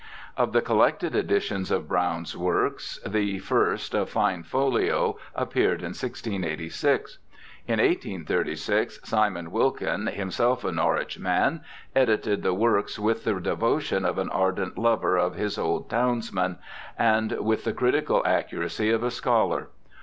Of the collected editions of Browne's works, the first, a fine folio, appeared in 1686. In 1836, Simon Wilkin, himself a Norwich man, edited the works with the de votion of an ardent lover of his old townsman, and with the critical accuracy of a scholar.